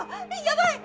やばい！